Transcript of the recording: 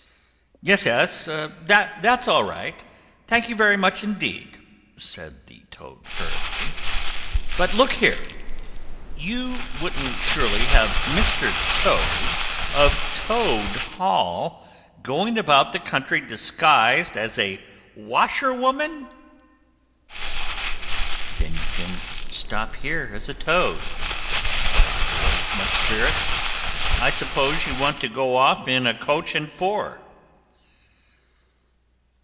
"Yes, yes, that's all right; thank you very much indeed," said the Toad hurriedly. "But look here! you wouldn't surely have Mr. Toad of Toad Hall, going about the country disguised as a washerwoman!" "Then you can stop here as a Toad," replied the girl with much spirit. "I suppose you want to go off in a coach and four!"